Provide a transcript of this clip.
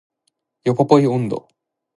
ヨポポイ音頭